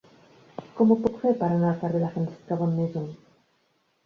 Com ho puc fer per anar al carrer de Francesca Bonnemaison?